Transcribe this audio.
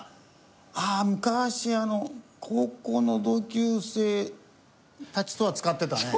ああ昔あの高校の同級生たちとは使ってたね。